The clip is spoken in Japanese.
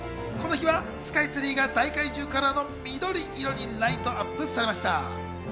この日はスカイツリーが大怪獣カラーの緑色にライトアップされました。